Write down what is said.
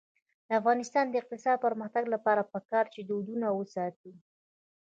د افغانستان د اقتصادي پرمختګ لپاره پکار ده چې دودونه وساتو.